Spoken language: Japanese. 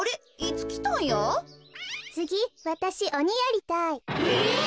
つぎわたしおにやりたい。え！？